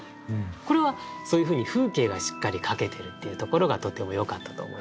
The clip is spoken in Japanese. これはそういうふうに風景がしっかり書けてるっていうところがとてもよかったと思います。